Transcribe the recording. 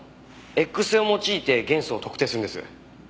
Ｘ線を用いて元素を特定するんです。